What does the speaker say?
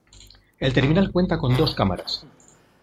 El terminal cuenta con dos cámaras.